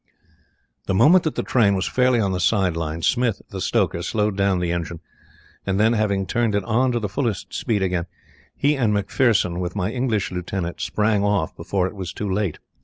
"The moment that the train was fairly on the side line, Smith, the stoker, slowed down the engine, and then, having turned it on to the fullest speed again, he and McPherson, with my English lieutenant, sprang off before it was too late.